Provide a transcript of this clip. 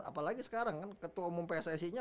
apalagi sekarang kan ketua umum pssi nya